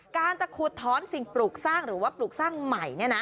การจะขุดท้อนสิ่งปลูกสร้างหรือว่าปลูกสร้างใหม่